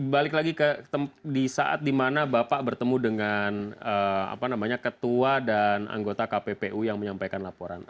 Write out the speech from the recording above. balik lagi ke di saat di mana bapak bertemu dengan ketua dan anggota kppu yang menyampaikan laporan